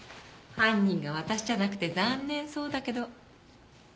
犯人が私じゃなくて残念そうだけど。